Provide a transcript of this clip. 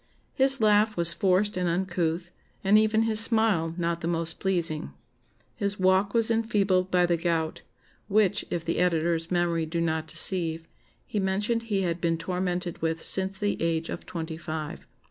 His laugh was forced and uncouth, and even his smile not the most pleasing. His walk was enfeebled by the gout; which, if the editor's memory do not deceive, he mentioned he had been tormented with since the age of twenty five....